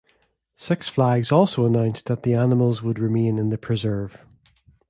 Six Flags also announced that the animals would remain in the preserve.